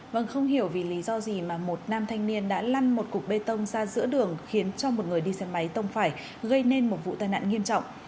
vâng không hiểu vì lý do gì mà một nam thanh niên đã lăn một cục bê tông ra giữa đường khiến cho một người đi xe máy tông phải gây nên một vụ tai nạn nghiêm trọng